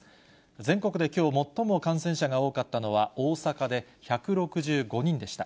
全国できょう最も感染者が多かったのは大阪で、１６５人でした。